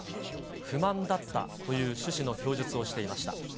不満だったという趣旨の供述をしていました。